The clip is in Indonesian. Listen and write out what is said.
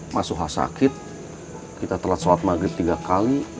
masuhah sakit kita telat sholat maghrib tiga kali